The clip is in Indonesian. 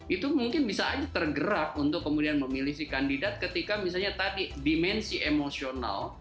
itu mungkin bisa aja tergerak untuk kemudian memilih si kandidat ketika misalnya tadi dimensi emosional